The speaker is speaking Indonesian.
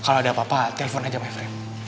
kalau ada apa apa telpon aja my friend